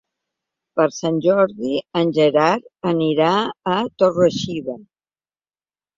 Per Sant Jordi en Gerard anirà a Torre-xiva.